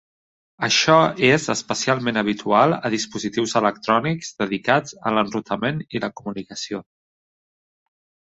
Això és especialment habitual a dispositius electrònics dedicats a l'enrutament i la comunicació.